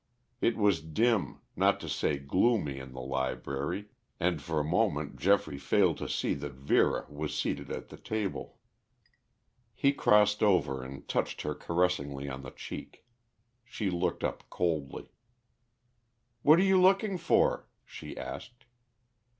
It was dim, not to say gloomy in the library, and for a moment Geoffrey failed to see that Vera was seated at the table. He crossed over and touched her caressingly on the cheek. She looked up coldly. "What are you looking for?" she asked.